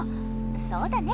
そうだね。